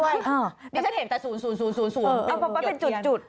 นี่เธอเห็นแต่๐๐๐๐๐เป็นมุนดเปัด